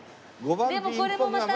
でもこれもまた。